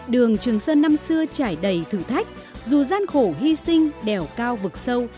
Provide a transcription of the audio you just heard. đường trường sơn năm xưa trải đầy thử thách dù gian khổ hy sinh đèo cao vực sâu